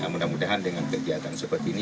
mudah mudahan dengan kegiatan seperti ini